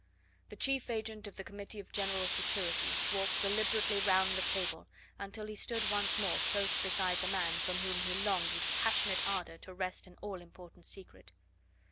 The chief agent of the Committee of General Security walked deliberately round the table until he stood once more close beside the man from whom he longed with passionate ardour to wrest an all important secret.